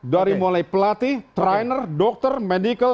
dari mulai pelatih trainer dokter medical